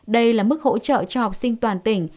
đây là mức hỗ trợ cho học sinh toàn tỉnh